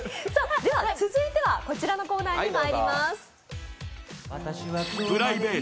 続いては、こちらのコーナーにまいります。